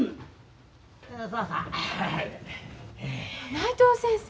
内藤先生。